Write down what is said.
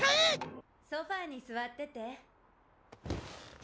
・ソファに座ってて。